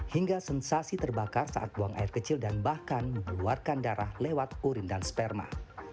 hingga sensasi terbakar saat buang air kecil dan bahkan mengeluarkan darah lewat urin dan sperma